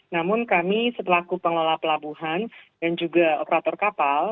namun kami setelaku pengelola pelabuhan dan juga operator kapal